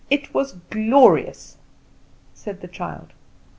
It was glorious!" said the child.